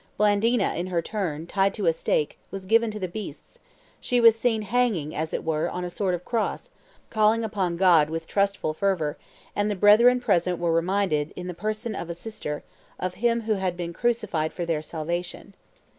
Blandina, in her turn, tied to a stake, was given to the beasts: she was seen hanging, as it were, on a sort of cross, calling upon God with trustful fervor, and the brethren present were reminded, in the person of a sister, of Him who had been crucified for their salvation.